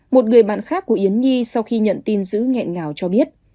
một người bạn khác của yến nhi sau khi nhận tin giữ nghẹn ngào cho biết